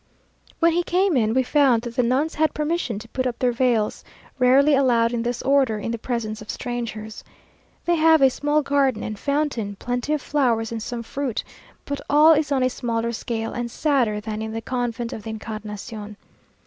When he came in we found that the nuns had permission to put up their veils, rarely allowed in this order in the presence of strangers. They have a small garden and fountain, plenty of flowers, and some fruit, but all is on a smaller scale, and sadder than in the convent of the Incarnation.